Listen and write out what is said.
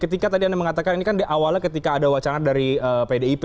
ketika tadi anda mengatakan ini kan di awalnya ketika ada wacana dari pdip